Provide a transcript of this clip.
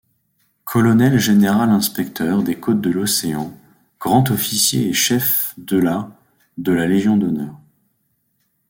Colonel-général-inspecteur des côtes de l'Océan, grand-officier et chef de la de la légion d'honneur.